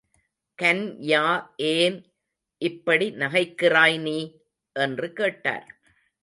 கன்யா ஏன் இப்படி நகைக்கிறாய் நீ? என்று கேட்டார்.